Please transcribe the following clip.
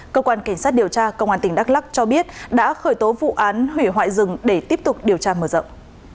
cơ quan cảnh sát điều tra công an tỉnh đắk lắc cho biết đã khởi tố vụ án hủy hoại rừng để tiếp tục điều tra mở rộng